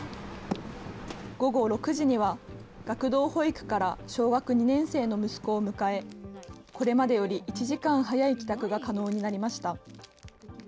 午後６時には、学童保育から小学２年生の息子を迎え、これまでより１時間早い帰宅が可能になりました。